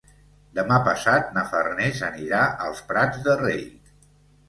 Demà passat na Farners anirà als Prats de Rei.